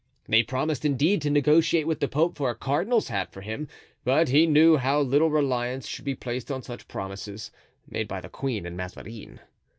They promised, indeed, to negotiate with the pope for a cardinal's hat for him; but he knew how little reliance should be placed on such promises, made by the queen and Mazarin.